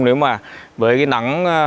nếu mà với cái nắng